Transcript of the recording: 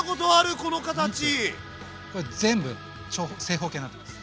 これ全部正方形になってます。